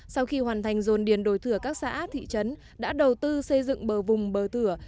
sau khi hoàn thành dồn điền đổi thửa các xã thị trấn đã đầu tư xây dựng bờ vùng bờ thửa